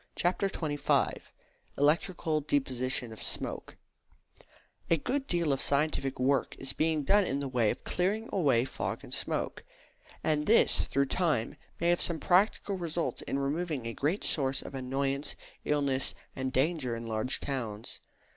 CHAPTER XXV ELECTRICAL DEPOSITION OF SMOKE A good deal of scientific work is being done in the way of clearing away fog and smoke; and this, through time, may have some practical results in removing a great source of annoyance, illness, and danger in large towns.